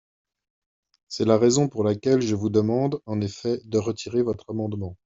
C’est la raison pour laquelle je vous demande, en effet, de retirer votre amendement.